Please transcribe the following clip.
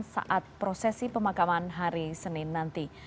saat prosesi pemakaman hari senin nanti